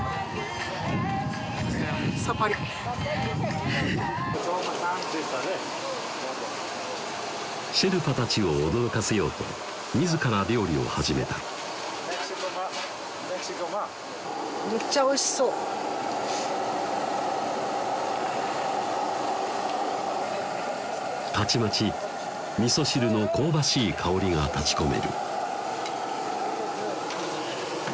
さっぱりシェルパたちを驚かせようと自ら料理を始めためっちゃおいしそうたちまちみそ汁の香ばしい香りが立ちこめる